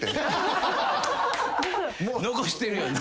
残してるよな。